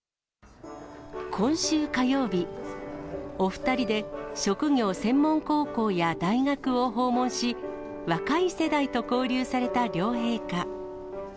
今週火曜日、お２人で職業専門高校や大学を訪問し、若い世代と交流された両陛下。